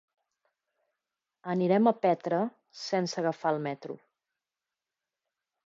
Anirem a Petra sense agafar el metro.